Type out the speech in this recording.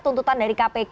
tuntutan dari kpk